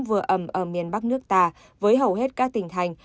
vừa ẩm ở miền bắc nước ta với hầu hết các tỉnh thành